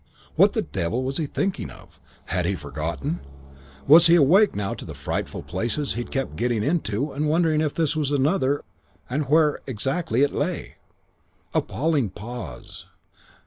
What the devil was he thinking of? Had he forgotten? Was he awake now to the frightful places he kept getting into and wondering if this was another and where exactly it lay? Appalling pause.